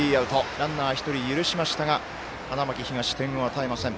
ランナー１人許しましたが花巻東、点を与えません。